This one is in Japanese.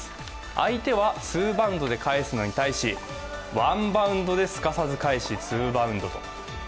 相手は２バウンドで返すのに対しワンバウンドですかさず返しツーバウンドと。